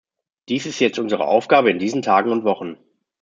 Dies ist jetzt unsere Aufgabe in diesen Tagen und Wochen.